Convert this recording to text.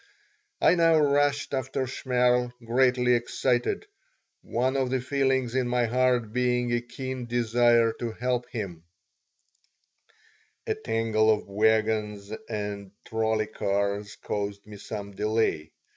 I now rushed after Shmerl, greatly excited, one of the feelings in my heart being a keen desire to help him A tangle of wagons and trolley cars caused me some delay.